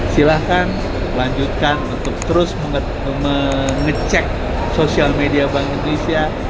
silahkan lanjutkan untuk terus mengecek sosial media bank indonesia